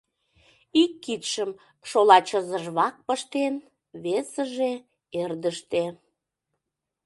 Ик кидшым шола чызыж вак пыштен, весыже — эрдыште.